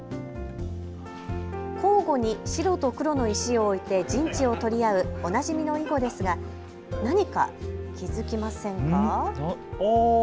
交互に白と黒の石を置いて陣地を取り合うおなじみの囲碁ですが何か、気付きませんか。